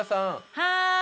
はい！